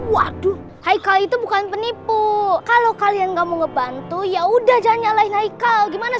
waduh haikal itu bukan penipu kalau kalian nggak mau ngebantu ya udah jangan nyalai naik kau gimana